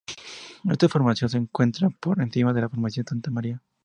Esta formación se encuentra por encima de la formación Santa Maria.